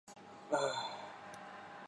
亦有不少单车爱好者使用前往山顶。